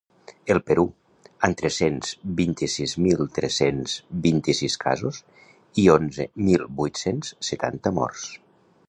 El Perú: amb tres-cents vint-i-sis mil tres-cents vint-i-sis casos i onzen mil vuit-cents setanta morts.